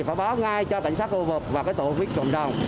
phải báo ngay cho cảnh sát khu vực và tổ covid một mươi chín cộng đồng